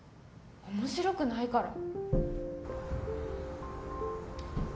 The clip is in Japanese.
面白くないから。